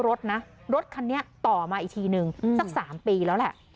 รถนะรถคันเนี้ยต่อมาอีกทีหนึ่งอืมสักสามปีแล้วแหละ